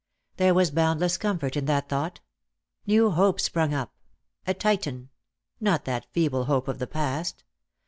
There was boundless comfort in that thought. New hope sprung up — a Titan ; not that feeble hope of the past.